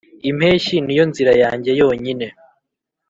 impeshyi niyo nzira yanjye yonyine.